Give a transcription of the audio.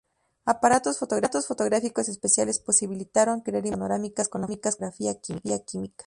Aparatos fotográficos especiales posibilitaron crear imágenes panorámicas con la fotografía química.